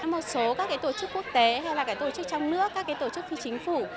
một số tổ chức quốc tế tổ chức trong nước tổ chức phi chính phủ